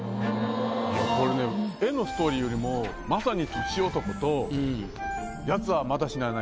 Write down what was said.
これね絵のストーリーよりも「まさに年男」と「奴はまだ死なない」